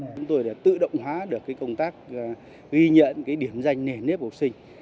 chúng tôi đã tự động hóa được công tác ghi nhận điểm danh nền nếp học sinh